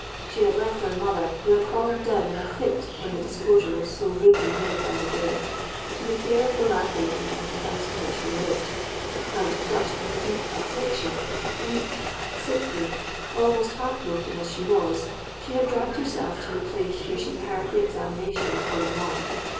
She had left our mother, who had fallen down in a fit when the disclosure was so rudely made by the bailiff, to the care of the landlady of the house in which we lived; and, crushed with deep affliction—weak—sickly—almost heart broken as she was, she had dragged herself to the place where she heard the examination was going on.